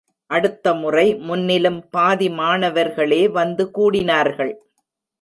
அடுத்த முறை, முன்னிலும் பாதி மாணவர்களே வந்து கூடினார்கள்.